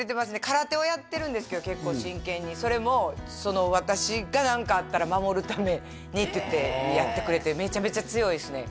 空手をやってるんですけど結構真剣にそれも私が何かあったら守るためにって言ってやってくれてめちゃめちゃ強いっすね